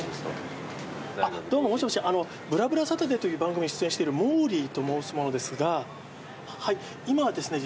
あっどうももしもし『ぶらぶらサタデー』という番組に出演しているモーリーと申す者ですがはい今ですね